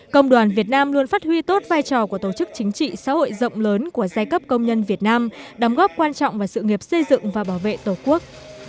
công đoàn việt nam luôn phát huy tốt vai trò của tổ chức chính trị xã hội rộng lớn của giai cấp công nhân việt nam đóng góp quan trọng vào sự nghiệp xây dựng và bảo vệ tổ quốc